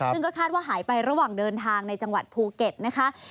ซึ่งก็คาดว่าหายไประหว่างเดินทางในจังหวัดภูเก็ตนะคะ